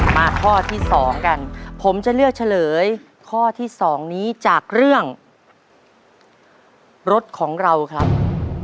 มาข้อที่๒กันผมจะเลือกเฉลยข้อที่๒นี้จากเรื่องรถของเราครับ